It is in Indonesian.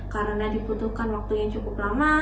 karena dibutuhkan waktunya cukup lama